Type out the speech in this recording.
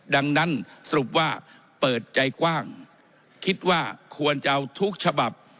ดังนั้นสรุปว่าเปิดใจกว้างคิดว่าควรจะเอาทุกฉบับ